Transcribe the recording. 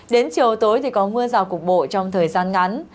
đến chiều tối thì có mưa rào cục bộ trong thời gian ngắn